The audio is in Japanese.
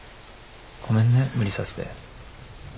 ごめんね無理させて。